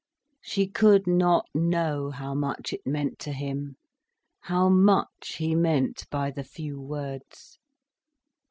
She could not know how much it meant to him, how much he meant by the few words.